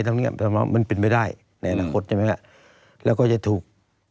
สามารถมันเป็นไม่ได้ในหราคสแล้วก็จะถูก